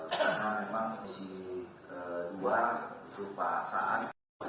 karena memang komisi kedua berupa saat